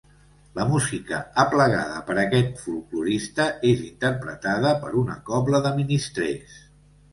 La música, aplegada per aquest folklorista, és interpretada per una cobla de ministrers.